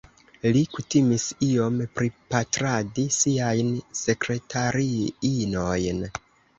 Li kutimis iom pripatradi siajn sekretariinojn.